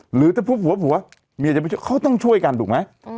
หรือถ้าพบหัวผัวเมียจะไปช่วยเขาต้องช่วยกันถูกไหม